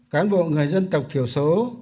cán bộ người dân tộc thiểu số